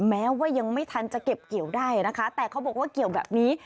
แม้ว่ายังไม่ทันจะเก็บเกี่ยวได้นะคะแต่เขาบอกว่าเกี่ยวแบบนี้